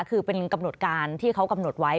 คือเป็นกำหนดการที่เขากำหนดไว้